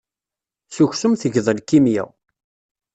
S uksum teggeḍ lkimya.